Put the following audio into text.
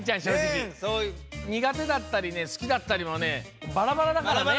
にがてだったりねすきだったりはねバラバラだからね。